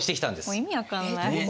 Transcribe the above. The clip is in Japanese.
もう意味分かんない。